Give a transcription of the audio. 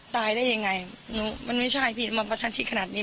ตายได้อย่างไรมันไม่ใช่ผิดมพัสดิ์ขนาดนี้